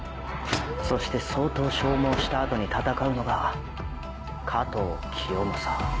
そして相当消耗した後に戦うのが加藤清正。